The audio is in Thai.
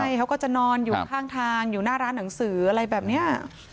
ใช่เขาก็จะนอนอยู่ข้างทางอยู่หน้าร้านหนังสืออะไรแบบนี้